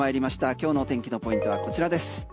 今日の天気のポイントはこちらです。